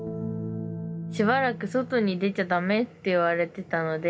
しばらく外に出ちゃ駄目って言われてたので。